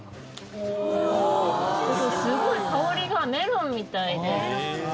すごい香りがメロンみたいで。